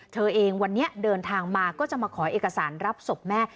เธอเองวันนี้เดินทางมาก็จะมาขอเอกสารรับศพแม่